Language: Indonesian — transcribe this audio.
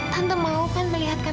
tante maukan melihat kak fadil